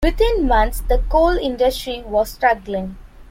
Within months the coal industry was struggling.